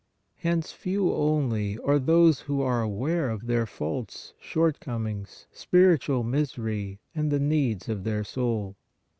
Hence few only are those who are aware of their faults, shortcomings, spiritual misery and the needs of their soul.